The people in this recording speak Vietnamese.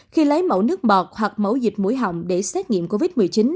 khi lấy mẫu nước bọt hoặc mẫu dịch mũi họng để xét nghiệm covid một mươi chín